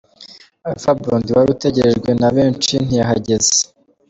Alpha Blondy wari utegerejwe na benshi ntiyahageze.